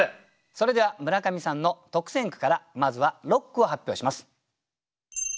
それでは村上さんの特選句からまずは６句を発表します。